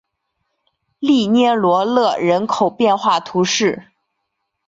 利涅罗勒人口变化图示